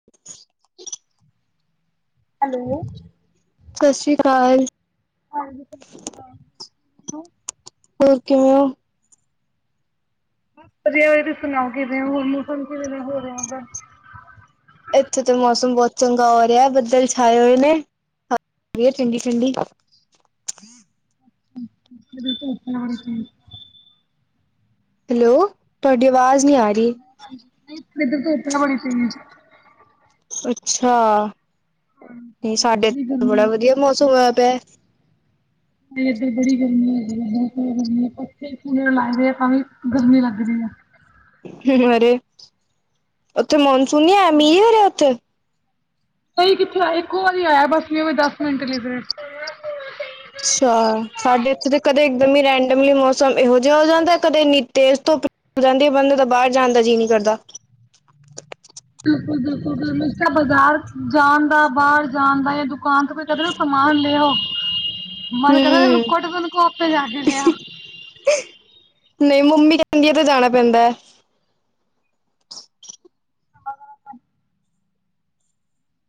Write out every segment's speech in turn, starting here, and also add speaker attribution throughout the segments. Speaker 1: ਹੂ [inaudible]
Speaker 2: hello?
Speaker 1: ਸਤਿ ਸ਼੍ਰੀ ਅਕਾਲ।
Speaker 2: ਹਾਂਜੀ। ਅਕਾਲ ਜੀ।
Speaker 1: ਹੋਰ ਕਿਵੇਂ ਹੋ?
Speaker 2: ਵਧੀਆ ਰੀ ਤੁਸੀਂ ਸੁਣਾਓ ਕਿਵੇ ਹੋਰ ਮੌਸਮ ਕਿਵੇਂ ਹੋ ਰਿਹਾ ਉਹਦਾ?
Speaker 1: ਇੱਥੇ ਤਾਂ ਮੌਸਮ ਬਹੁਤ ਚੰਗਾ ਹੋ ਰਿਹਾ। ਬੱਦਲ ਛਾਏ ਹੋਏ ਨੇ। ਠੰਡੀ- ਠੰਡੀ
Speaker 2: [unintelligible]
Speaker 1: ਹੈਲੋ, ਤੁਹਾਡੀ ਆਵਾਜ਼ ਨਹੀਂ ਆ ਰਹੀ?
Speaker 2: ਇੱਧਰ ਤਾਂ ਧੁੱਪ ਬੜੀ ਸੀਗੀ।।
Speaker 1: ਅੱਛਾ। ਸਾਡੇ
Speaker 2: ਬੜੀ ਗਰਮੀ
Speaker 1: ਬੜਾ
Speaker 2: ਹੋ
Speaker 1: ਵਧੀਆ ਮੌਸਮ ਹੋਇਆ ਪਿਆ।
Speaker 2: ਤੇ ਏਧਰ ਬੜੀ ਗਰਮੀ ਹੈ ਇ ਬਹੁਤ ਗਰਮੀ ਪੱਥੇ ਕੂਲਰਣੇ ਲੱਗਦੇ ਆ ਭਾਵੇ ਗਰਮੀ ਲੱਗਦੀ ਹੈ।
Speaker 1: ਹੂ -ਹੂ ਅਰੇ। ਉੱਥੇ ਮੌਨਸੁਨ ਨਹੀ ਹੈ ਮੀਂਹ ਨਹੀਂ ਉੱਥੇ?
Speaker 2: ਸਹੀ ਕਿੱਥੇ ਇੱਕੋ ਵਾਰੀ ਆਇਆ ਬਸ ਵੀ ਦਸ ਮਿੰਟ ਲਈ।
Speaker 1: ਅੱਛਾ। ਸਾਡੇ ਇੱਥੇ ਤਾਂ ਕਦੇ ਇਕਦਮ ਹੀ ਰੈਂਡਮਲੀ ਮੌਸਮ ਇਹੋ ਜਿਹਾ ਹੋ ਜਾਂਦਾ। ਕਦੇ ਇੰ ਤੇਜ਼ ਧੁੱਪ- ਜਾਂਦੇ ਆ ਬੰਦੇ ਤਾਂ ਬਾਹਰ ਜਾਣ ਦਾ ਜੀਅ ਨਹੀਂ ਕਰਦਾ।
Speaker 2: ਬਿਲਕੁਲ- ਬਿਲਕੁਲ ਬਿਲ ਬਾਜ਼ਾਰ ਜਾਣ ਦਾ, ਬਾਹਰ ਜਾਣ ਦਾ ਦੁਕਾਨ ਤੋਂ ਕੋ ਕਹਿੰ ਨਾ ਸਮਾਨ ਲਿਆਓ
Speaker 1: ਹੂੰ
Speaker 2: ਮਨ ਕਹਿੰਦਾ ਰੁਕੋਟ ਤੈਨੂੰ ਕੋੇ ਜਾ ਕੇ ਲੇ ਆ।
Speaker 1: ਨਹੀਂ ਮੰਮੀ ਕਹਿੰਦੀ ਹੈ ਤੇ ਜਾਣਾ ਪੈਂਦਾ ਹੈ।
Speaker 2: [unintelligible]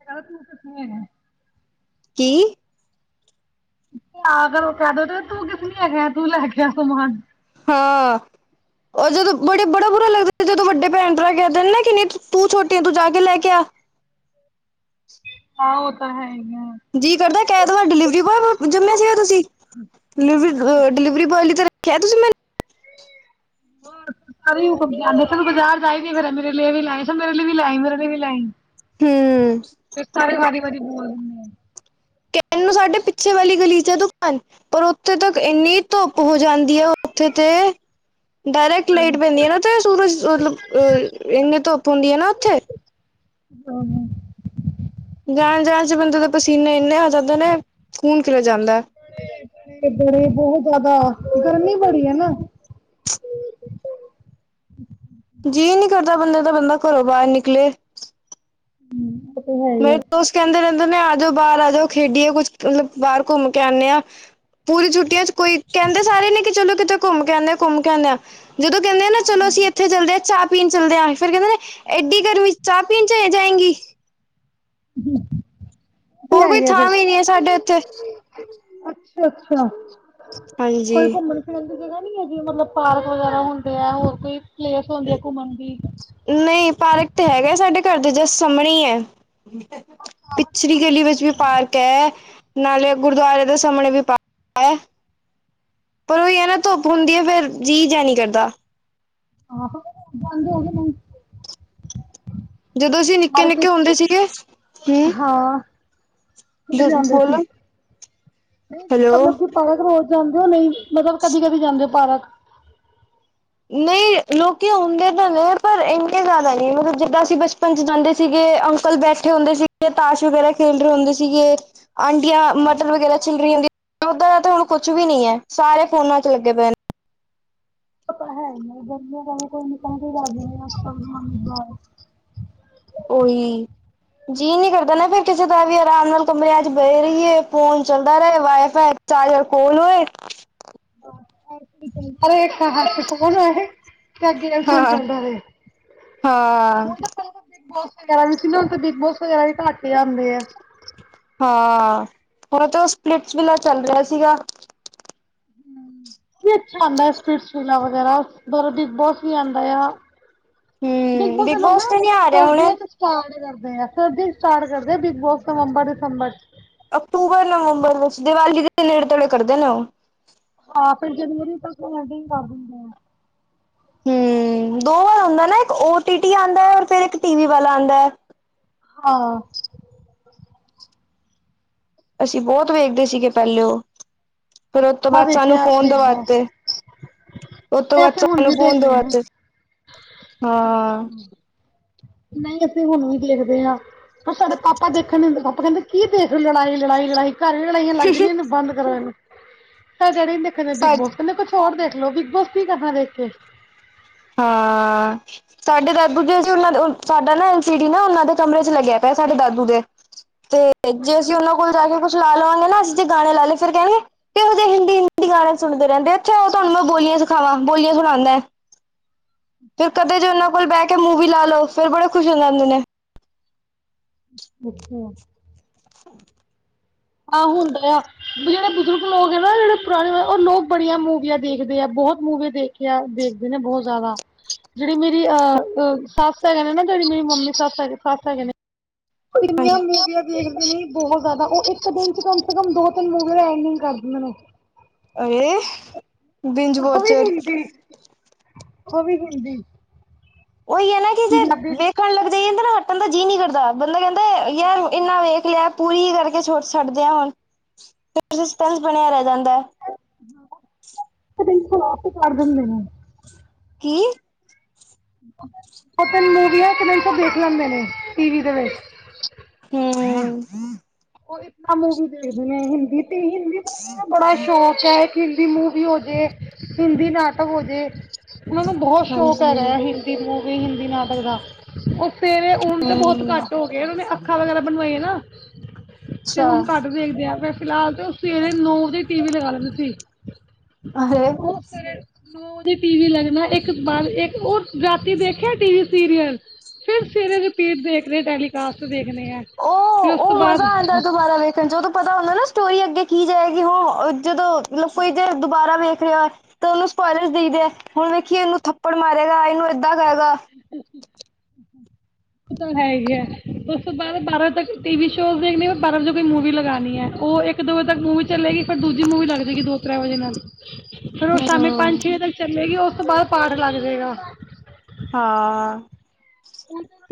Speaker 2: [unintelligible]
Speaker 1: ਕੀ?
Speaker 2: ਤੇ ਅਗਰ ਉਹ ਕਹਿ ਦੇ ਤੇ ਤੂੰ ਕਿਸ ਲਈ ਹੈਗਾ ਤੂੰ ਲੈ ਕੇ ਆ ਸਮਾਨ।
Speaker 1: ਹਾਂ। ਪਰ ਜਦੋਂ ਬੜੇ ਬੜਾ ਬੁਰਾ ਲੱਗਦਾ ਸੀ ਜਦੋਂ ਵੱਡੇ ਭੈਣ ਭਰਾ ਕਹਿੰਦੇ ਨਾ ਕਿ ਨਹੀਂ ਤੂੰ ਛੋਟੀ ਆਂ ਤੂੰ ਜਾ ਕੇ ਲੈ ਕੇ ਆ।
Speaker 2: ਹਾਂ ਉਹ ਤਾਂ ਹੈ ਹੀ ਆ।
Speaker 1: ਜੀ ਕਰਦਾ ਕਹਿ ਤੁਹਾਡਾ ਡਿਲੀਵਰੀ ਬੋਏ ਜੰਮੇ ਸੀਗੇ ਹੋ ਤੁਸੀਂ। ਡਿਲੀਵਰੀ ਡਿਲੀਵਰੀ ਬੋਏ ਲਈ ਤੇ ਰੱਖਿਆ ਤੁਸੀਂ ਮੈਨੂੰ।
Speaker 2: ਸਾਰੇ ਸਾਨੂੰ ਬਾਜ਼ਾਰ ਜਾਈ ਨਹੀਂ ਫਿਰ ਮੇਰੇ ਲਈ ਵੀ ਲੈ ਆਈ ਮੇਰੇ ਲਈ ਵੀ ਲੈ ਆਈ ਮੇਰੇ ਲਈ ਵੀ ਲੈ ਆਏ।
Speaker 1: ਹੂੰ
Speaker 2: ਫਿਰ ਸਾਰੇ ਵਾਰੀ ਵਾਰੀ ਬੋਲ ਆ
Speaker 1: ਕਹਿਣ ਨੂੰ ਸਾਡੇ ਪਿੱਛੇ ਵਾਲੀ ਗਲੀ ਚੱ ਦੁਕਾਨ ਪਰ ਉੱਥੇ ਤੱਕ ਇੰਨੀ ਧੁੱਪ ਹੋ ਜਾਂਦੀ ਹੈ ਉੱਥੇ ਤੇ ਡਾਇਰੈਕਟ ਲਾਈਟ ਪੈਂਦੀ ਹੈ ਨਾ। ਤੇ ਅ ਸੂਰਜ ਮਤਲੱਬ ਇੰਨੀ ਧੁੱਪ ਹੁੰਦੀ ਹੈ ਨਾ ਉੱਥੇ
Speaker 2: ਉਹ [unintelligible]
Speaker 1: ਜਾਣ-ਜਾਣ 'ਚ ਬੰਦੇ ਦੇ ਪਸੀਨੇ ਇੰਨੇ ਆ ਜਾਂਦੇ ਨੇ ਖੂਨ ਖਿਲ ਜਾਂਦਾ
Speaker 2: ਬੜੇ ਬਹੁਤ ਜਿਆਦਾ ਗਰਮੀ ਬੜੀ ਹੈ ਨਾ
Speaker 1: ਜੀਅ ਨੀ ਕਰਦਾ ਬੰਦੇ ਦਾ ਬੰਦਾ ਘਰੋਂ ਬਾਹਰ ਨਿਕਲੇ ਮੇਰੇ ਦੋਸਤ ਕਹਿੰਦੇ ਰਹਿੰਦੇ ਨੇ ਆ ਜਾਓ ਬਾਹਰ ਆ ਜਾਓ ਖੇਡੀਏ ਕੁੱਛ ਮਤਲੱਬ ਬਾਰ ਘੁੰਮ ਕੇ ਆਨੇ ਆਂ ਪੂਰੀ ਛੁੱਟੀਆਂ 'ਚ ਕੋਈ ਕਹਿੰਦੇ ਸਾਰੇ ਨੇ ਕਿ ਚਲੋ ਕਿਤੇ ਘੁੰਮ ਕੇ ਆਣੇ ਆ, ਘੁੰਮ ਕੇ ਆਣੇ ਆ ਜਦੋਂ ਕਹਿੰਦੇ ਆ ਨਾ ਚਲੋ ਅਸੀਂ ਇੱਥੇ ਚੱਲਦੇ ਆ ਚਾਹ ਪੀਣ ਚਲਦਿਆਂ ਫਿਰ ਕਹਿੰਦੇ ਨੇ ਐਡੀ ਗਰਮੀਂ 'ਚ ਚਾਹ ਪੀਣ ਚਲੇ ਜਾਏਂਗੀ
Speaker 2: ਹੂੰ!
Speaker 1: ਹੋਰ ਕੋਈ
Speaker 2: ਗਿਆ
Speaker 1: ਥਾਂ
Speaker 2: ਫਿਰ
Speaker 1: ਵੀ ਨਹੀਂ ਹੈ ਸਾਡੇ ਇੱਥੇ
Speaker 2: ਅੱਛਾ-ਅੱਛਾ
Speaker 1: ਹਾਂਜੀ।
Speaker 2: ਕੋਈ ਘੁੰਮਣ ਘੁੰਮਣ ਦੀ ਜਗ੍ਹਾ ਨੀ ਹੈਗੀ ਮਤਲੱਬ ਪਾਰਕ ਵਗੈਰਾ ਹੁੰਦੇ ਆ, ਹੋਰ ਕੋਈ ਪਲੇਸ ਹੁੰਦੀ ਆ ਘੁੰਮਣ ਦੀ
Speaker 1: ਨਹੀਂ ਪਾਰਕ ਤੇ ਹੈਗਾ ਸਾਡੇ ਘਰ ਦੇ ਜਸਟ ਸਾਹਮਣੇ ਹੀ ਆ ਪਿਛਲੀ ਗਲੀ ਵਿੱਚ ਵੀ ਪਾਰਕ ਐ ਨਾਲੇ ਗੁਰੂਦੁਆਰੇ ਦੇ ਸਾਹਮਣੇ ਵੀ ਪਾਰਕ ਆ ਪਰ ਉਹੀ ਹੈ ਨਾ ਧੁੱਪ ਹੁੰਦੀ ਆ ਫੇਰ ਜੀਅ ਜਾ ਨੀ ਕਰਦਾ
Speaker 2: ਆਹੋਦੇ [unintelligible]
Speaker 1: ਜਦੋਂ ਅਸੀਂ ਨਿੱਕੇ-ਨਿੱਕੇ ਹੁੰਦੇ ਸੀਗੇ ਹੂੰ
Speaker 2: ਫੜ ਜਾਂਦੇ ਸੀ ਨਹੀਂ
Speaker 1: ਹੈਲੋ
Speaker 2: ਮਤਲਬ ਕਿ ਪਾਰਕ ਰੋਜ਼ ਜਾਂਦੇ ਹੋ ਨਈ ਮਤਲਬ ਕਦੀ-ਕਦੀ ਜਾਂਦੇ ਹੋ ਪਾਰਕ
Speaker 1: ਨਈ ਲੋਕੀ ਆਉਂਦੇ ਤਾਂ ਨੇ ਪਰ ਇਨੇ ਜ਼ਿਆਦਾ ਨੀ ਮਤਲਬ ਜਿੱਦਾਂ ਅਸੀਂ ਬਚਪਨ 'ਚ ਜਾਂਦੇ ਸੀਗੇ ਅੰਕਲ ਬੈਠੇ ਹੁੰਦੇ ਸੀਗੇ, ਤਾਸ਼ ਵਗੈਰਾ ਖੇਡ ਰਹੇ ਹੁੰਦੇ ਸੀਗੇ ਆਂਟੀਆਂ ਮਟਰ ਵਗੈਰਾ ਛਿੱਲ ਰਹੀ ਹੁੰਦੀਆ, ਇਦਾਂ ਦਾ ਤਾਂ ਹੁਣ ਕੁੱਛ ਵੀ ਨੀ ਹੈ, ਸਾਰੇ ਫੋਨਾਂ 'ਚ ਲੱਗੇ ਪਏ ਨੇ
Speaker 2: ਹੁਣ ਦੇਖਿਆ ਜਾਏ ਤਾ ਕੋਈ ਰਾਜ਼ੀ ਨੀ ਆ [unintelligible]
Speaker 1: ਉਹੀ ਜੀਅ ਨੀ ਕਰਦਾ ਨਾ ਫਿਰ ਕਿਸੇ ਦਾ ਵੀ ਆਰਾਮ ਨਾਲ ਕਮਰਿਆਂ 'ਚ ਬਹਿ ਜਾਈਏ ਫੋਨ ਚੱਲਦਾ ਰਹੇ ਵਾਈਫਾਈ ਚਾਰਜਰ ਕੋਲ ਹੋਏ।
Speaker 2: ਪਰ [unintelligible] ਐ ਹੱਥ 'ਚ ਫੋਨ ਹੋਏ ਜਾਂ ਗੇਮ- ਸ਼ੇਮ
Speaker 1: ਹਾਂ
Speaker 2: ਚਲਦਾ ਰਹੇ
Speaker 1: ਹਾਂ
Speaker 2: ਹੁਣ ਤਾਂ ਪਹਿਲਾਂ ਤਾਂ ਬਿਗ-ਬੋਸ ਵਗੈਰਾ ਵੀ ਸੀ ਨਾ ਹੁਣ ਤਾਂ ਬਿਗ-ਬੋਸ ਵਗੈਰਾ ਵੀ ਘੱਟ ਆਉਦੇ ਆ
Speaker 1: ਹਾਂ ਹੁਣ ਤੇ ਓ ਸਪਲਿਟਸ ਵੀਲਾ ਚੱਲ ਰਿਹਾ ਸੀਗਾ
Speaker 2: ਨਈ ਅੱਛਾ ਸਪਲਿਟਸ ਵਗੈਰਾ ਉਸ ਦੁਆਰਾ ਬਿਗ-ਬੋਸ ਵੀ ਆਂਦਾ ਆ
Speaker 1: ਹਮ
Speaker 2: ਬਿਗ-ਬੋਸ
Speaker 1: ਬਿਗ
Speaker 2: ਲੋਕ
Speaker 1: ਬੋਸ
Speaker 2: ਨਾ
Speaker 1: ਤੇ ਨਹੀਂ ਆ ਰਿਹਾ
Speaker 2: ਸਰਦੀ
Speaker 1: ਹੁਣੇ
Speaker 2: 'ਚ ਸਟਾਰਟ ਕਰਦੇ ਆ ਸਰਦੀ 'ਚ ਸਟਾਰਟ ਕਰਦੇ ਆ ਬਿਗ-ਬੋਸ ਨਵੰਬਰ-ਦਸੰਬਰ 'ਚ
Speaker 1: ਅਕਤੂਬਰ-ਨਵੰਬਰ ਵਿੱਚ ਦੀਵਾਲੀ ਦੇ ਨੇੜੇ-ਤੇੜੇ ਕਰਦੇ ਨੇ ਓ
Speaker 2: ਹਾਂ, ਫੇਰ ਜਰੂਰੀ ਤਾਂ ਕੋਲਡ ਪਾ ਦਿੰਨੇ ਆ
Speaker 1: ਹੂੰ, ਦੋ ਵਾਰ ਆੰਦਾ ਨਾ ਇੱਕ ਓ ਟੀ ਟੀ ਆੰਦਾ ਐ, ਔਰ ਫੇਰ ਏਕ ਟੀ ਵੀ ਵਾਲਾ ਆੰਦਾ ਐ
Speaker 2: ਹਾਂ।
Speaker 1: ਅਸੀਂ ਬੋਤ ਵੇਖਦੇ ਸੀਗੇ ਪੈਲੇ ਓ, ਫੇਰ ਓ ਤੋ
Speaker 2: ਮੈਂ
Speaker 1: ਬਾਦ ਸਾਨੂੰ
Speaker 2: ਵੇਖਿਆ
Speaker 1: ਫੋਨ
Speaker 2: ਬਿਗ ਬੋਸ
Speaker 1: ਦਵਾਤੇ ਓਤੋ
Speaker 2: ਤੇ
Speaker 1: ਬਾਦ
Speaker 2: ਅਸੀਂ ਹੁਣ
Speaker 1: ਸਾਨੂੰ
Speaker 2: ਵੀ
Speaker 1: ਫੋਨ
Speaker 2: ਦੇਖਦੇ ਹਾਂ
Speaker 1: ਦਵਾਤੇ, ਹਾਂ
Speaker 2: ਨਈ, ਅਸੀਂ ਹੁਨ ਵੀ ਦੇਖਦੇ ਆ ਪਰ ਸਾਡੇ ਪਾਪਾ ਦੇਖਨ ਨੀ ਦਿੰਦੇ ਪਾਪਾ ਕਹਿੰਦੇ ਕੀ ਦੇਖੋ ਲੜਾਈ, ਲੜਾਈ, ਲੜਾਈ ਘਰੇ ਲੜਾਈਆਂ ਲੱਗ ਜਾਦੀਆਂ ਐਨੂੰ ਬੰਦ ਕਰੋ ਏਨੂੰ ਸਾਡੇ ਡੈਡੀ ਨੀ ਦੇਖਣ ਦੇਂਦੇ
Speaker 1: ਸਾ
Speaker 2: ਬਿੱਗ-ਬੋਸ ਕੈਂਦੇ ਕੁੱਛ ਹੋਰ ਦੇਖ ਲੋੋ ਬਿਗ-ਬੋਸ ਕੀ ਕਰਨਾ ਦੇਖ ਕੇ
Speaker 1: ਹਾਂ। ਸਾਡੇ ਦਾਦੂ ਤੇ ਅਸੀ ਓਨਾਂ ਦੇ ਸਾਡਾ ਨਾ ਐਲ ਸੀ ਡੀ ਨਾ ਓਨਾਂ ਦੇ ਕਮਰੇ ਚ ਲੱਗੇਆ ਪੇਆ ਸਾਡੇ ਦਾਦੂ ਦੇ। ਤੇ ਜੇ ਅਸੀ ਓਨਾਂ ਕੋਲ ਜਾ ਕੇ ਕੁਛ ਚਲਾ ਲਵਾਂਗੇ ਨਾ ਅਸੀ ਜੇ ਗਾਨਾ ਲਾ ਲੀਏ ਫੇਰ ਕੈਨਗੇ, ਕੈਹੋ ਜੇ ਹਿੰਦੀ-ਹਿੰਦੀ ਗਾਨੇ ਸੁਨਦੇ ਰੈਂਦੇ ਓ। ਐਥੇ ਆਓ ਤਾਨੂੰ ਮੈ ਬੋਲੀਆਂ ਸਿਖਾਵਾਂ, ਬੋਲੀਆਂ ਸੁਨਾਂਦੈ ਫੇਰ ਕਦੇ ਜੇ ਓਨਾਂ ਕੋਲ ਬੈ ਕੇ ਮੂ ਮੂਵੀ ਲਾ ਲੋ ਫੇਰ ਬੜੇ ਖੁਸ਼ ਹੋ ਜਾਂਦੇ ਨੇ।
Speaker 2: ਅੱਛੇਆ।
Speaker 1: [inaudible]
Speaker 2: ਆ ਹੁੰਦੈ ਵੀ ਓ ਜੇੜੇ ਬਜ਼ੁਰਗ ਲੋਗ ਏ ਨਾ ਜੇੜੇ ਪੁਰਾਣੇ ਵਾਲੇ ਓ ਲੋਕ ਬੜੀਆਂ ਮੂਵੀਆਂ ਦੇਖਦੇ ਆ ਬੋਤ ਮੂਵੀ ਦੇਖੇਆ ਦੇਖ ਦੇ ਨੇ ਬਹੁ ਜਾਦਾ ਜੇੜੀ ਮੇਰੀ ਅ ਅ ਸੱਸ ਹੈਗੇ ਨੇ ਨਾ ਜੇੜੀ ਮੇਰੀ ਮੰਮੀ ਸੱਸ ਹੈਗੇ ਸੱਸ ਹੈਗੇ ਨੇ ਓ ਇੰਨੀਆਂ
Speaker 1: ਹਾਂਜੀ
Speaker 2: ਮੂਵੀਆਂ ਦੇਖਦੇ ਨੇ, ਬਹੁ ਜ਼ਾਦਾ ਓ ਇੱਕ ਦਿਨ ਚ ਕਮ ਸੇ ਕਮ ਦੋ-ਤਿਨ ਮੂਵੀਆ ਦਾ ਐਂਡਿੰਗ ਕਰ ਦੇਂਦੇ ਨੇ।
Speaker 1: ਅਰੇ, ਬਿੰਜ ਵੋਚਰ
Speaker 2: ਓ ਵੀ ਹਿੰਦੀ
Speaker 1: ਓਈ ਐ ਨਾ ਕੇ ਜੇ
Speaker 2: ਪੰਜਾਬੀ ਇੱਕ
Speaker 1: ਵੇਖਨ ਲੱਗ ਜਈਏ ਅੰਦਰ ਹਟਨ ਦਾ ਜੀ ਨੀ ਕਰਦਾ ਬੰਦਾ ਕੈਨ ਕੇ ਯਾਰ ਏਨਾ ਵੇਖ ਲੇਆ ਪੂਰੀ ਈ ਕਰਕੇ ਛੋਟ ਛੱਡਦੇ ਆ, ਹੁਨ ਫੇਰ ਸਸਪੈਂਸ ਬਨੇਆ ਰੈ ਜਾਂਦੈ।
Speaker 2: ਲੇਕਿਨ ਸਲਵਾਰ ਤੇ ਕਰ ਦਿੰਦੇ ਨੇ।
Speaker 1: ਕੀ?
Speaker 2: ਦੋ ਤਿੰਨ ਮੂਵੀਆਂ ਇਕ ਦਿਨ ਚ ਓ ਦੇਖ ਲੈਂਦੇ ਨੇ ਟੀ ਵੀ ਦੇ ਵਿਚ।
Speaker 1: ਹੂੰ।
Speaker 2: ਓਈ ਤਾਂ ਮੂਵੀ ਦੇਖਦੀ ਆਂ ਹਿੰਦੀ ਤੇ, ਹਿੰਦੀ ਮੂਵੀ ਦਾ ਬੜਾ ਸ਼ੌਕ ਐ। ਹਿੰਦੀ ਮੂਵੀ ਹੋਜੇ, ਹਿੰਦੀ ਨਾਟਕ ਹੋਜੇ, ਮੈਨੂੰ ਬਹੁ ਸ਼ੌਕ ਹੈੈਗੈ
Speaker 1: ਹਾਂਜੀ
Speaker 2: ਹਿੰਦੀ ਹਿੰਦੀ ਮੂਵੀ, ਹਿੰਦੀ ਨਾਟਕ ਦਾ। ਓ ਸਵੇਰੇ ਹੁਨ ਤੇ ਬੋਤ
Speaker 1: ਹਮ
Speaker 2: ਘੱਟ ਹੋਗੇ ਓਨਾ ਨੇ ਅੱਖਾਂ ਵਗੈਰਾ ਬਨਵਾਈਆਂ ਨਾ। ਤੇ
Speaker 1: ਅੱਛਾ
Speaker 2: ਹੁਨ ਘੱਟ ਵੇਖਦੇ ਆ ਫੇਰ ਫਿਲਹਾਲ ਤੇ ਓ ਸਵੇਰੇ ਈ ਨੌ ਵਜੇ ਈ ਟੀ ਵੀ ਲਗਾ ਲੈਂਦੇ ਸੀ।
Speaker 1: ਅਰੇ
Speaker 2: ਓ ਸਵੇਰੇ ਨੋ ਵਜੇ ਟੀ ਵੀ ਲੱਗਨਾ ਇੱਕ ਬਾਦ ਇੱਕ ਔਰ ਰਾਤੀ ਦੇਖੇਆ ਟੀ ਵੀ ਸੀਰੀਅਲ ਫੇਰ ਸਵੇਰੇ ਰਿਪੀਟ ਦੇਖ ਰੇ ਟੈਲੀਕਾਸਟ ਦੇਖਨੇ ਆ, ਫਿਰ ਉਸ
Speaker 1: ਉਹ
Speaker 2: ਤੋ
Speaker 1: ਉਹ
Speaker 2: ਬਾਦ
Speaker 1: ਮਜ਼ਾ ਆਉਂਦਾ ਦੁਬਾਰਾ ਵੇਖਨ ਚ ਓਦੋਂ ਪਤਾ ਹੁੰਦੈ ਨਾ ਸਟੋਰੀ ਅੱਗੇ ਕੀ ਜਾਏਗੀ ਹਾਂ ਜਦੋਂ ਕੋਈ ਜੇ ਦੁਬਾਰਾ ਵੇਖ ਰੇਆ ਏ। ਤੇ ਓਨੂੰ ਸਪੋਇਰਲਸ ਦਈਦੈ ਹੁਨ ਵੇਖੀ ਐਨੂੰ ਥੱਪੜ ਮਾਰੇਗਾ ਏਨੂੰ ਏਦਾਂ ਕਏਗਾ।
Speaker 2: ਓ ਤਾਂ ਹੈ ਗੇਐ ਉਸ ਤੋਂ ਬਾਦ ਬਾਰਾਂ ਤੱਕ ਟੀ ਵੀ ਸ਼ੋਜ਼ ਦੇਖਨੀ ਆ ਬਾਰਾਂ ਵਜੇ ਕੋਈ ਮੂਵੀ ਲਗਾਨੀ ਐ ਓ ਇੱਕ ਇੱਕ-ਦੋ ਵਜੇ ਤੱਕ ਮੂਵੀ ਚੱਲੇਗੀ ਫੇਰ ਦੂਜੀ ਮੂਵੀ ਲੱਗ ਜੇਗੀ ਦੋ ਤ੍ਰੈ ਵਜੇ ਏਨਾ ਦੀ। ਫੇਰ ਓ ਸ਼ਾਮੀ ਪੰਜ
Speaker 1: ਹਮ
Speaker 2: ਛੇ ਵਜੇ ਤੱਕ ਚੱਲੇਗੀ ਓਸ ਤੋਂ ਬਾਦ ਪਾਠ ਲੱਗ ਜੇਗਾ।
Speaker 1: ਹਾਂ।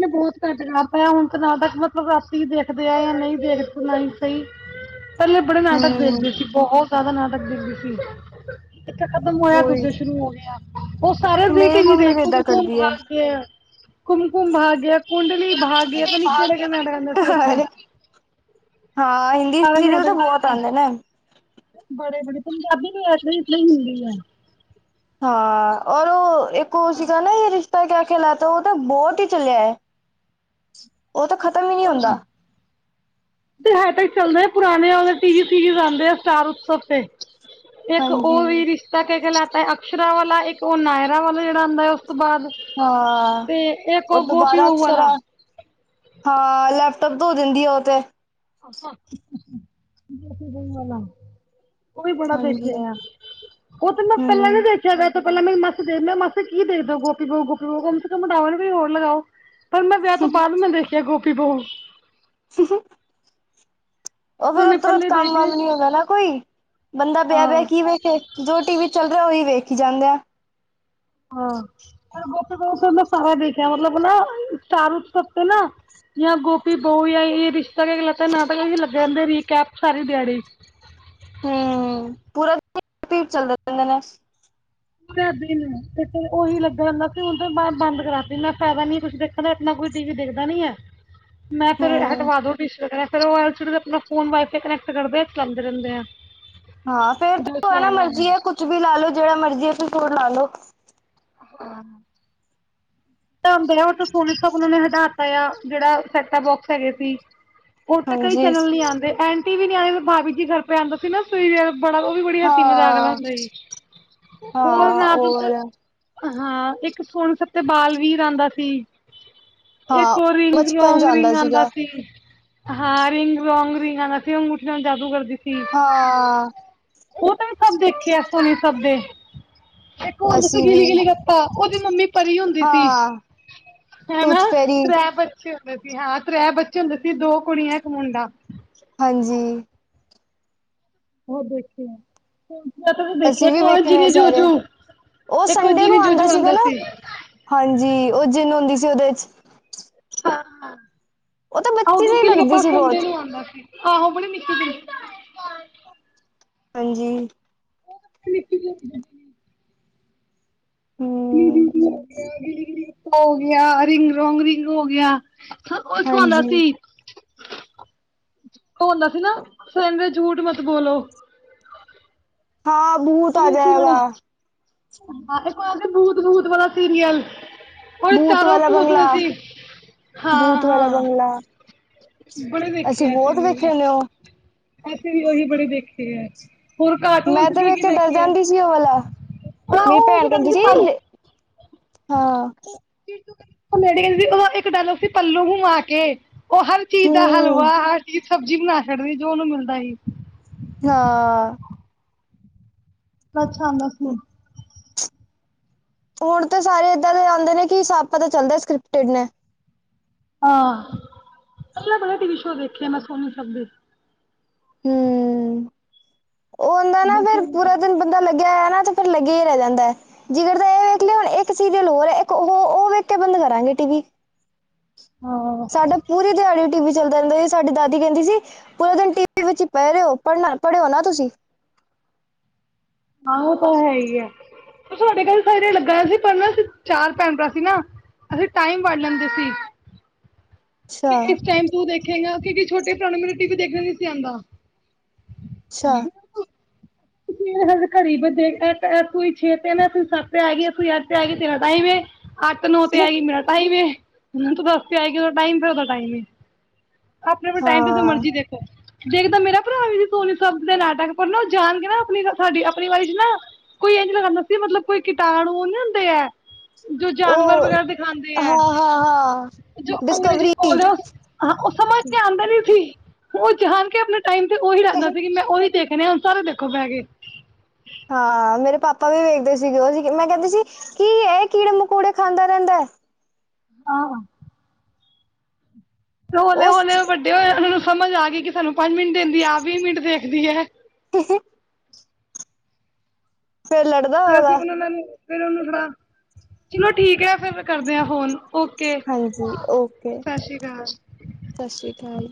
Speaker 2: ਮੈ ਬੋਤ ਘੱਟ ਕਰਤਾ ਯਾ ਹੁਨ ਤਾ ਨਾਟਕ ਮਤਲਬ ਰਾਤੀ ਈ ਦੇਖਦੇ ਆ ਯਾ ਨਈ ਦੇਖਦੇ ਆਂ ਨਈ ਸਈ। ਪੈਲੇ ਬੜੇ ਨਾਟਕ
Speaker 1: ਹਮ
Speaker 2: ਦੇਖਦੇ ਸੀ, ਬਹੁ ਜਾਦਾ ਨਾਟਕ ਦੇਖਦੀ ਸੀ। ਇੱਕ ਖਤਮ ਹੋਏਆ
Speaker 1: ਉਹੀ
Speaker 2: ਦੂਜਾ ਸ਼ੁਰੂ ਹੋ ਗੇਆ, ਓ ਸਾਰੇ
Speaker 1: ਮੇਰੀ
Speaker 2: ਵੀਕਲੀ
Speaker 1: ਮੰਮੀ ਵੀ
Speaker 2: ਦੇਖੂ
Speaker 1: ਏਦਾਂ
Speaker 2: ਕੁਮਕੁਮ
Speaker 1: ਕਰਦੀ ਹੈ
Speaker 2: ਭਾਗੇਐ। ਕੁਮਕੁਮ ਭਾਗੇਆ ਕੁੰਡਲੀ ਭਾਗੇਆ ਪਤਾ ਨੀ ਕੇੜੇ-ਕੇੜੇ ਆਂਦੇ ਸੀ ਓਥੇ।
Speaker 1: ਹਾਂ ਹਿੰਦੀ ਸੀਰੀਅਲ ਤਾਂ ਬੋਤ ਆਂਦੇ ਨੇ।
Speaker 2: ਗੋਰੇ ਬੜੇ ਪੰਜਾਬੀ ਵੀ ਐੇ ਏਸ ਲਈ ਹਿੰਦੀ ਐ।
Speaker 1: ਹਾਂ ਔਰ ਓ ਇੱਕ ਓ ਸੀਗਾ ਨਾ ਰਿਸ਼ [unintelligible] ਓ ਤਾਂ ਬੋਤ ਈ ਚੱਲਿਆ ਐ ਓ ਤਾਂ ਖ਼ਤਮ ਈ ਨੀ ਹੁੰਦਾ।
Speaker 2: [unintelligible] ਚੱਲਦੇ ਪੁਰਾਣੇ ਟੀਵੀ ਸੀਰੀਜ਼ ਆਂਦੇ ਆ ਸਟਾਰ ਉਤਸਵ ਤੇ। ਇੱਕ ਓ
Speaker 1: ਹਾਂਜੀ
Speaker 2: ਵੀ ਰਿਸ਼ਤਾ ਕਹਿ ਕੇ ਲੈਤਾ ਅਕਸ਼ਰਾ ਵਾਲਾ ਇੱਕ ਓ ਨਾਇਰਾ ਵਾਲਾ ਜਿਹੜਾ ਆਂਦਾ। ਉਸ ਤੋਂ ਬਾਅਦ
Speaker 1: ਹਾਂ
Speaker 2: ਤੇ ਇੱਕ
Speaker 1: ਉਹ
Speaker 2: ਓ ਗੋਪੀ
Speaker 1: ਦੁਬਾਰਾ
Speaker 2: ਬਹੂ ਵਾਲਾ।
Speaker 1: ਅਕਸਰ ਹਾਂ ਲੈਪਟੋਪ ਧੋ ਦਿੰਦੀ ਐ ਓ ਤੇ।
Speaker 2: [inaudible] ਓ ਵੀ ਬੜਾ
Speaker 1: ਹਾਂਜੀ
Speaker 2: ਦੇਖਿਆ ਓ ਤੇ ਮੈਂ ਪਹਿਲਾਂ
Speaker 1: ਹੂੰ
Speaker 2: ਵੀ ਦੇਖਿਆ। ਵਿਆਹ ਤੋਂ ਪਹਿਲਾਂ ਮੇਰੀ ਮਾਸੀ ਦੇ ਮੈਂ ਮਾਸੀ ਕੀ ਦੇਖ ਦੇ ਓ ਗੋਪੀ ਬਹੂ ਗੋਪੀ ਬਹੂ [unintelligible] ਹੋਰ ਲਗਾਓ। ਪਰ ਮੈਂ ਵਿਆਹ ਤੋਂ ਬਾਅਦ ਵੀ ਮੈਂ ਦੇਖਿਆ ਗੋਪੀ ਬਹੂ।
Speaker 1: [inaudible] ਓ ਫਿਰ ਓ
Speaker 2: ਉਹਨੇ
Speaker 1: ਤੋਂ ਬਾਦ
Speaker 2: ਪਹਿਲੇ
Speaker 1: ਕੰਮ
Speaker 2: ਦੇਖੇ
Speaker 1: ਵਮ ਨੀ ਹੁੰਦਾ ਨਾ ਕੋਈ ਬੰਦਾ ਪਿਆ ਪਿਆ
Speaker 2: ਹਾਂ
Speaker 1: ਕੀ ਵੇਖੇ। ਜੋ ਟੀ ਵੀ ਚੱਲ ਰਿਆ ਓਹੀ ਵੇਖੀ ਜਾਂਦੇ।
Speaker 2: ਹਾਂ, ਪਰ ਗੋਪੀ ਬਹੂ ਤੇ ਮੈਂ ਸਾਰਾ ਦੇਖਿਆ ਮਤਲਬ ਨਾ ਸਟਾਰ ਉਤਸਵ ਤੇ ਨਾ। ਜਾਂ ਗੋਪੀ ਬਊ ਜਾਂ ਜੇ ਰਿਸ਼ਤਾ ਕਿਆ ਕਹਿਲਾਤਾ ਨਾਟਕ ਲੱਗ ਰਹਿੰਦੇ ਰੀ ਕੈਪ ਸਾਰੀ ਦਿਹਾੜੀ।
Speaker 1: ਹੂੰ, ਪੂਰਾ [unintelligible] ਚੱਲਦੇ ਰਹਿੰਦੇ ਨੇ।
Speaker 2: ਸਾਰਾ ਦਿਨ ਬਸ ਓਹੀ ਲੱਗਾ ਰਹਿੰਦਾ ਸੀ ਹੁਨ ਤੇ ਬੰਦ ਕਰਾ ਤੇ ਮੈਂ ਫੈਦਾ ਨੀ ਕੁੱਛ ਕਹਿੰਦੇ ਆਪਣਾ ਕੋਈ ਟੀ ਵੀ ਦੇਖਦਾ ਨੀ ਐ ਮੈਂ ਫਿਰ
Speaker 1: ਹੂੰ
Speaker 2: ਹਟਵਾ ਦੋ। ਡੀਸ਼ ਵਗੈਰਾ ਫਿਰ ਓ ਐਲ ਸੀ ਡੀ ਤੇ ਆਪਣਾ ਫੋਨ ਵਾਈਫਾਈ ਕਨੈਕਟ ਕਰਦੇ ਆ ਚਲਾਂਦੇ ਰਹਿੰਦੇ ਆ।
Speaker 1: ਹਾਂ, ਫੇਰ [unintelligible] ਮਰਜੀ ਐ ਕੁੱਛ ਵੀ ਲਾ ਲੋ ਜਿਹੜਾ ਮਰਜੀ ਐਪੀਸੋਡ ਲਾ ਲੋ।
Speaker 2: ਹਾਂ।
Speaker 1: [inaudible]
Speaker 2: ਤਾਂ [unintelligible] ਸੋਨੀ ਸਬ ਉਹ ਨੇ ਹਟਾ ਤਾਂ ਆ ਜਿਹੜਾ ਸੈਟਾ ਬੋਕਸ ਹੈਗੇ ਸੀ। ਓ ਤੇ ਕਈ
Speaker 1: ਹਾਂਜੀ
Speaker 2: ਚੈਨਲ ਨੀ ਆਂਦੇ ਐਂਟੀ ਵੀ ਨੀ ਆਂ ਭਾਬੀ ਜੀ ਘਰ ਪੇ ਆਂਦਾ ਸੀ ਨਾ [unintelligible] ਬੜਾ ਓ ਵੀ ਬੜਾ ਹਸੀ ਮਜ਼ਾਕ ਆਲਾ
Speaker 1: ਹਾਂ
Speaker 2: ਹੁੰਦਾ ਸੀ ਓ
Speaker 1: ਹਾਂ
Speaker 2: ਰਾਤ
Speaker 1: ਉਹ
Speaker 2: ਨੂੰ,
Speaker 1: ਵਾਲਾ
Speaker 2: ਹਾਂ, ਇੱਕ ਸੋਨੀ ਸਬ ਤੇ ਬਾਲ ਵੀਰ ਆਂਦਾ ਸੀ।
Speaker 1: ਹਾਂ
Speaker 2: ਇੱਕ ਓ ਰਿੰਗ
Speaker 1: ਬਚਪਨ ਚ
Speaker 2: ਰੋਂਗ ਰਿੰਗ ਆਂਦਾ
Speaker 1: ਸੀਗਾ
Speaker 2: ਸੀ। ਹਾਂ, ਰਿੰਗ ਰੋਂਗ ਰਿੰਗ ਆਂਦਾ ਸੀ। ਓ ਅੰਗੂਠੀ ਨਾਲ ਜਾਦੂ ਕਰਦੀ ਸੀ।
Speaker 1: ਹਾਂ।
Speaker 2: ਓ ਤਾਂ ਮੈਂ ਸਭ ਦੇਖੇ ਆ ਸੋਨੀ ਸਭ ਦੇ ਇੱਕ ਓ ਆਂਦਾ ਸੀ।
Speaker 1: ਅਸੀਂ ਵੀ
Speaker 2: ਗਿੱਲੀ ਗਿਲੀ ਗੱਪਾਂ ਓਦੀ ਮੰਮੀ ਪਰੀ ਹੁੰਦੀ ਸੀ
Speaker 1: ਹਾਂ
Speaker 2: ਹੈ
Speaker 1: ਟੂਥ
Speaker 2: ਨਾ।
Speaker 1: ਫੈਰੀ
Speaker 2: [unintelligible] ਸੀ ਹਾਂ ਤ੍ਰੈ ਬੱਚੇ ਹੁੰਦੇ ਸੀ ਦੋ ਕੁੜੀਆਂ ਇੱਕ ਮੁੰਡਾ।
Speaker 1: ਹਾਂਜੀ।
Speaker 2: ਹੋਰ ਦੇਖੋ। ਤੂਸੀ ਦੇਖਿਆ
Speaker 1: ਅਸੀਂ
Speaker 2: ਇੱਕ
Speaker 1: ਵੀ
Speaker 2: ਓ
Speaker 1: ਵੇਖਣੇ
Speaker 2: ਜੀਨੀ
Speaker 1: ਸਾਰੇ
Speaker 2: ਜੂਜੂ
Speaker 1: ਉਹ
Speaker 2: ਇੱਕ ਓ
Speaker 1: ਸੰਡੇ ਨੂੰ
Speaker 2: ਜੀਨੀ
Speaker 1: ਆਉਂਦਾ
Speaker 2: ਜੂਜੂ
Speaker 1: ਸੀਗਾ
Speaker 2: ਆਂਦਾ
Speaker 1: ਨਾ
Speaker 2: ਸੀ।
Speaker 1: ਹਾਂਜੀ ਓ ਜਿੰਨ ਹੁੰਦੀ ਸੀ ਉਹਦੇ ਚ। ਉਹ ਤਾਂ
Speaker 2: ਹਾਂ,
Speaker 1: ਬੱਚੀ
Speaker 2: ਗਿਲੀ
Speaker 1: ਜਿਹੀ
Speaker 2: ਗਿਲੀ
Speaker 1: ਲੱਗਦੀ
Speaker 2: ਗੱਪਾਂ
Speaker 1: ਸੀ
Speaker 2: ਫੋਨ ਤੇ
Speaker 1: ਬਹੁਤ
Speaker 2: ਵੀ ਆਉਂਦਾ ਸੀ ਆਹੋ ਬੜੀ ਨਿੱਕੀ ਜੀ।
Speaker 1: ਹਾਂਜੀ।
Speaker 2: [inaudible] ਗਿੱਲੀ
Speaker 1: ਹਮ
Speaker 2: ਗਿੱਲੀ ਗੱਪਾਂ ਹੋ ਗਿਆ ਰਿੰਗ ਰੋਂਗ ਰਿੰਗ ਹੋ ਗਿਆ। ਹਾਂ, ਇਕ ਓ ਆਂਦਾ
Speaker 1: ਹਾਂਜੀ
Speaker 2: ਸੀ। ਓ ਆਂਦਾ ਸੀ ਨਾ ਸਜਨ ਜੂਠ ਮਤ ਬੋਲੋ।
Speaker 1: ਹਾਂ ਬੂ
Speaker 2: [unintelligible] ਬੂਤ ਬੂਤ ਵਾਲਾ ਸੀਰੀਅਲ। ਓ ਚਾਰੋਂ
Speaker 1: ਵਾਲਾ
Speaker 2: ਭੂਤ
Speaker 1: ਬੰਗਲਾ
Speaker 2: ਸੀ ਹਾਂ
Speaker 1: ਭੂਤ ਵਾਲਾ
Speaker 2: ਹਾਂ।
Speaker 1: ਬੰਗਲਾ
Speaker 2: ਬੜੇ ਦੇਖੇ ਐ ਅਸੀਂ
Speaker 1: ਬਹੁਤ
Speaker 2: ਵੀ ਓਹੀ
Speaker 1: ਵੇਖੇ ਨੇ ਉਹ
Speaker 2: ਅਸੀਂ ਵੀ ਓਹੀ ਬੜੇ ਦੇਖੇ ਐ!
Speaker 1: ਮੈਂ ਤੇ ਵੇਖ ਕੇ ਡਰ ਜਾਂਦੀ ਸੀ ਉਹ ਵਾਲਾ,
Speaker 2: ਆਹੋ
Speaker 1: ਮੇਰੀ
Speaker 2: ਉਹ
Speaker 1: ਭੈਣ
Speaker 2: ਜੋ
Speaker 1: ਕਹਿੰਦੀ ਸੀ
Speaker 2: ਪਲ
Speaker 1: ਹਾਂ
Speaker 2: ਇਕ ਲੇਡੀ ਸੀ, ਉਹਦਾ ਇੱਕ ਡਾਇਲੋਗ ਸੀ ਪੱਲੂ ਘੁੰਮਾ ਕੇ, ਉਹ ਹਰ ਚੀਜ਼ ਦਾ
Speaker 1: ਹਮ
Speaker 2: ਹਲਵਾ ਹਰ ਚੀਜ਼ ਸਬਜ਼ੀ ਬਣਾ ਸਕਛਡਦੀ ਜੋ ਉਹਨੂੰ ਮਿਲਦਾ ਸੀ
Speaker 1: ਹਾਂ
Speaker 2: ਅਛਾ ਆਉਂਦਾ ਸੀ
Speaker 1: ਹੁਣ ਤਾਂ ਸਾਰੇ ਇਏਦਾਂ ਦੇ ਆਉਂਦੇ ਨੇ, ਕਿ ਸਬ ਪਤਾ ਚੱਲਦਾ ਸਕ੍ਰਿਪਟਡ ਨੇ
Speaker 2: ਹਾਂ ਅਲ ਅਲ ਟੀ ਵੀ ਸ਼ੋ ਦੇਖੇਆ ਮੈਂ ਸੋਨੀ ਸਬ ਤੇ
Speaker 1: ਹੂ ਉਹ ਹੁੰਦਾ ਨਾ ਫਿਰ ਪੂਰਾ ਦਿਨ ਬ ਬੰਦਾ ਲੱਗਿਆ ਹੋਆ ਨਾ, ਫਿਰ ਲੱਗੇਆ ਹੀ ਰਹਿ ਜਾਂਦਾ ਹੈ ਜਿਨੀ ਦੇਰ ਇਹ ਵੇਖ ਲਿਆ ਹੁਣ ਇੱਕ ਸੀਰੀਅਲ ਹੋਰ ਐ, ਇੱਕ ਉਹ ਉਹ ਵੇਖ ਕੇ ਬੰਦ ਕਰਾਂਗੇ ਟੀ ਵੀ
Speaker 2: ਹਾਂ
Speaker 1: ਸਾਡਾ ਪੂਰੀ ਦਿਹਾੜੀ ਟੀ ਵੀ ਚ ਚੱਲਦੇ ਰਹਿੰਦੇ ਸੀ ਸਾਡੀ ਦਾਦੀ ਕਹਿੰਦੀ ਸੀ, ਪੂਰਾ ਦਿਨ ਟੀ ਵੀ ਵਿੱਚ ਹੀ ਪੈ ਰਹੇ ਹੋ ਪੜ੍ਹਨਾ ਪੜ੍ਹਿਓ ਨਾ ਤੁਸੀਂ
Speaker 2: ਹਾਂ ਉਹ ਤਾਂ ਹੈ ਹੀ ਹੈ, ਸਾਡੇ ਘਾਰ ਸਰੇ ਲੱਗਾ ਹੋਯਾ ਸੀ ਪਰ ਨਾ ਅਸੀ ਚਾਰ ਭੈਣ ਭਰਾ ਸੀ ਨਾ ਅਸੀਂ ਟਾਈਮ ਵੰਡ ਲੈਂਦੇ ਸੀ
Speaker 1: ਅੱਛਾ
Speaker 2: ਕੀ ਇਸ ਟਾਈਮ ਤੂੰ ਦੇਖੇਗਾ, ਕਿਉਂਕਿ ਛੋਟੇ ਭਰਾ ਨੂੰ ਮੈਰੇ ਟੀ ਵੀ ਦੇਖਣਾ ਨਈ ਸੀ ਆਉਂਦਾ
Speaker 1: ਅੱਛਾ
Speaker 2: ਹੇ ਘੜੀ ਬਸ ਵੇਖ ਰੇਯਾ, ਛੇ ਤੇਂ ਸੱਤ ਤੇ ਆ ਗਈਂ ਅੱਠ ਤੇ ਆ ਗਈ, ਤੇਰਾ ਟਾਈਮ ਏ ਅੱਠ ਨੋ ਤੇ ਆਏਗੀ ਮੇਰਾ ਟਾਈਮ ਏ, ਨੋ ਦਸ ਤੇ ਆਏਗੀ ਟਾਈਮ ਫਿਰ ਔਦਾ ਟਾਈਮ ਨਈ ਆਪਣੇ ਆਪਣੇ ਟਾਈਮ ਤੇ ਜੋ
Speaker 1: ਹਾਂ
Speaker 2: ਮਰਜ਼ੀ ਦੇਖੋ ਦੇਖ ਤਾਂ ਮੇਰਾ ਭਰਾ ਵੀ ਸੀ ਸੋਨੀ ਸਬ ਦੇ ਨਾਟਕ, ਪਰ ਨਾ ਉਹ ਜਾਣ ਕੇ ਨਾ ਆਪਣੀ ਸਾਡੀ ਆਪਣੀ ਵਾਰੀ ਚ ਨਾ ਕੋਈ ਇਝ ਲਗਾਦਾ ਸੀ, ਮਤਲਬ ਕੋਈ ਕੀਟਾਣੂ ਨੀ ਹੁੰਦੇ ਹੈ ਜੋ ਜਾਨਵਰ
Speaker 1: ਉਹ
Speaker 2: ਵਗੈਰਾ ਦਿਖਾਦੇ ਐ,
Speaker 1: ਹਾਂ ਹਾਂ ਹਾਂ
Speaker 2: ਜੋ ਅੰਗਰੇਜ਼ੀ ਦੇ
Speaker 1: ਡਿਸਕਵਰੀ
Speaker 2: ਬੋਲ ਔ ਹਾਂ ਉਹ ਸਮਝ ਤੇ ਆਉਂਦਾ ਨੀ ਸੀ, ਉਹ ਜਾਨ ਕੇ ਆਪਣੇ ਟਾਈਮ ਤੇ ਉਹੀ ਰਹਿੰਦਾ ਸੀ ਮੈਂ ਉਹੀ ਦੇਖਣੇ ਐ ਸਾਰੇ ਦੇਖੋ ਬੈ ਕੇ
Speaker 1: ਹਾਂ ਮੇਰੇ ਪਾਪਾ ਵੀ ਵੇਖਦੇ ਸੀਗੇ ਉਹ, ਮੈਂ ਕਹਿੰਦੀ ਸੀ ਕੀ ਇਹ ਕੀੜੇ ਮਕੂੜੇ ਖਾਂਦਾ ਰਹਿੰਦਾ
Speaker 2: ਆਹ ਤੇ ਹੌਲੇ
Speaker 1: ਉਸ
Speaker 2: ਹੌਲੇ ਵੱਡੇ ਹੋਏ ਆ, ਉਹਨਾਂ ਨੂੰ ਸਮਝ ਆ ਗਈ ਕਿ ਸਾਨੂੰ ਪੰਜ ਮਿੰਟ ਦਿੰਦੀ ਆ, ਆਪ ਵੀਹ ਮਿੰਟ ਦੇਖਦੀ ਹੈ
Speaker 1: ਤੁਸੀਂ ਫੇਰ ਲੜਦਾ
Speaker 2: ਫਿਰ ਅਸੀਂ
Speaker 1: ਹੋਏਗਾ
Speaker 2: ਉਹ ਫਿਰ ਉਹਨੂੰ ਲੜਾ, ਚਲੋ ਠੀਕ ਹੈ ਫਿਰ ਕਰਦੇ ਹਾਂ ਫੋਨ ਓਕੇ
Speaker 1: ਹਾਂਜੀ ਓਕੇ
Speaker 2: ਸਤਿ ਸ਼੍ਰੀ ਅਕਾਲ
Speaker 1: ਸਤਿ ਸ਼੍ਰੀ ਅਕਾਲ